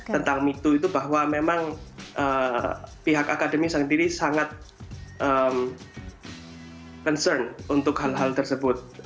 tentang mito itu bahwa memang pihak akademi sendiri sangat concern untuk hal hal tersebut